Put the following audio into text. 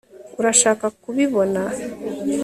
urashaka kubibona